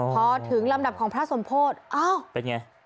พอถึงลำดับของพระสมโพธิอ้าวเป็นไง